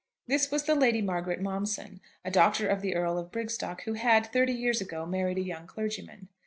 This was the Lady Margaret Momson, a daughter of the Earl of Brigstock, who had, thirty years ago, married a young clergyman.